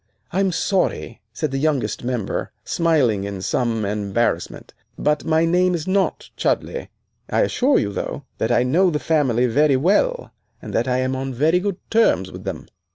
"I'm sorry," said the youngest member, smiling in some embarrassment, "but my name is not Chudleigh. I assure you, though, that I know the family very well, and that I am on very good terms with them."